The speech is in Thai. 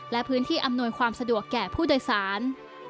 และพื้นที่อำนวยความสะดวกแก่ผู้โดยสาร